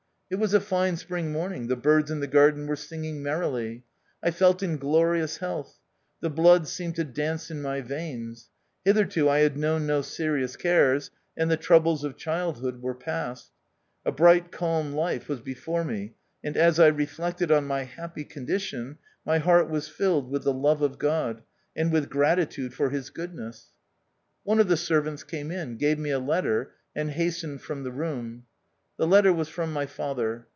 It was a fine spring morning, the birds in the garden were singing merrily. I felt in glorious health ; the blood seemed to dance in my veins. Hitherto I had known no serious cares, and the troubles of childhood were past. A bright calm life was before me, and as I reflected on my happy condition my heart was filled with the love of God, and with gratitude for his goodness. THE OUTCAST. 67 One of the servants came in, gave me a letter, and hastened from the room. The letter was from my father.